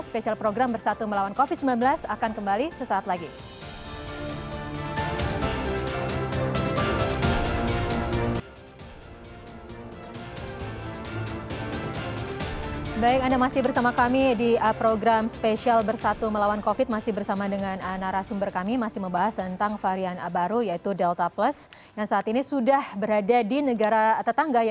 spesial program bersatu melawan covid sembilan belas akan kembali sesaat lagi